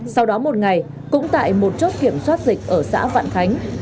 sau đó một ngày cũng tại một chốt kiểm soát dịch ở xã vạn khánh